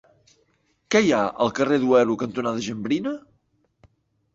Què hi ha al carrer Duero cantonada Jambrina?